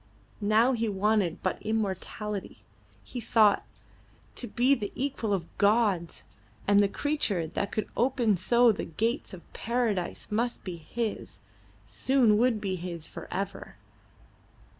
Now he wanted but immortality, he thought, to be the equal of gods, and the creature that could open so the gates of paradise must be his soon would be his for ever!